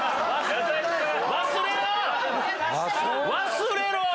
忘れろ！